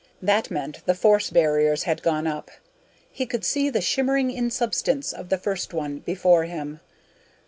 That meant the force barriers had gone up. He could see the shimmering insubstance of the first one before him.